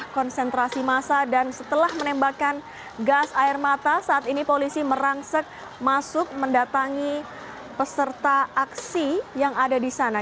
konsentrasi massa dan setelah menembakkan gas air mata saat ini polisi merangsek masuk mendatangi peserta aksi yang ada di sana